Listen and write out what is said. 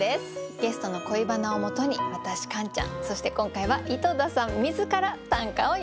ゲストの恋バナをもとに私カンちゃんそして今回は井戸田さん自ら短歌を詠みます。